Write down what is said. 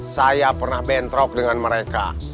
saya pernah bentrok dengan mereka